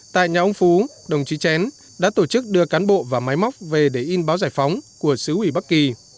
tại nhà ông phú đồng chí chén đã tổ chức đưa cán bộ và máy móc về để in báo giải phóng của sứ ủy bắc kỳ